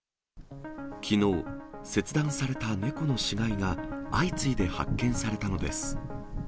きのう、切断された猫の死骸が相次いで発見されたのです。